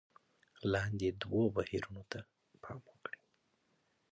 لاندې دوو بهیرونو ته پام وکړئ: